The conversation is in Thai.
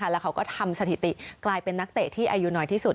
แล้วเขาก็ทำสถิติกลายเป็นนักเตะที่อายุน้อยที่สุด